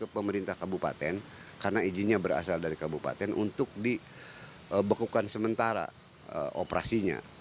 pemerintah kabupaten karena izinnya berasal dari kabupaten untuk dibekukan sementara operasinya